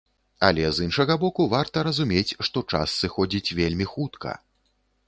Але з іншага боку, варта разумець, што час сыходзіць вельмі хутка.